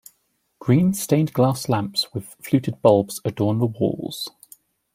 Green stained-glass lamps with fluted bulbs adorn the walls.